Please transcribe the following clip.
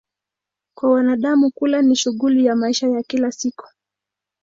Kwa wanadamu, kula ni shughuli ya maisha ya kila siku.